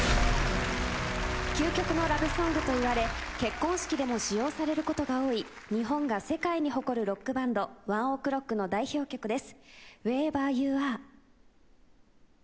究極のラブソングといわれ結婚式で使用されることが多い日本が世界に誇るロックバンド ＯＮＥＯＫＲＯＣＫ の代表曲です。